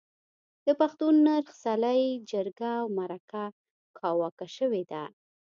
د پښتون نرخ، څلی، جرګه او مرکه کاواکه شوې ده.